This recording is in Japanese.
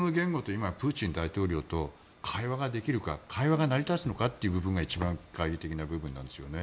今、プーチン大統領と会話ができるか会話が成り立つのかというのが一番懐疑的なんですよね。